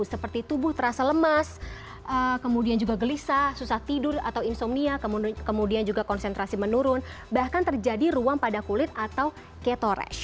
seperti tubuh terasa lemas kemudian juga gelisah susah tidur atau insomnia kemudian juga konsentrasi menurun bahkan terjadi ruam pada kulit atau ketores